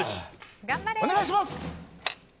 お願いします。